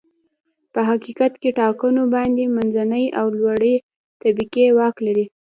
په حقیقت کې ټاکنو باندې منځنۍ او لوړې طبقې واک لري.